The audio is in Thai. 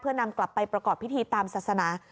เพื่อนำกลับไปประกอบพิธีตามศาสนา